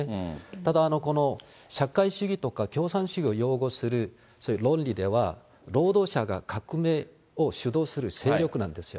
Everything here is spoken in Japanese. ただ、社会主義とか共産主義を擁護するそういう論理では、労働者が革命を主導する勢力なんですよ。